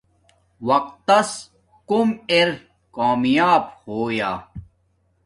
وقت تس کوم ار کامیاب ہویا